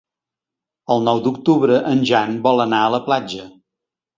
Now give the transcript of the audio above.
El nou d'octubre en Jan vol anar a la platja.